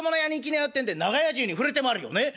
ってんで長屋中に触れて回るよねっ。